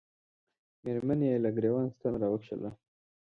مېرمنې یې له ګرېوان ستن را وکښله.